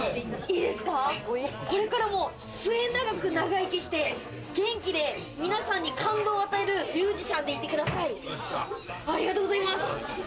これからも末永く長生きして、元気で皆さんに感動を与えるミュージシャンでいてください。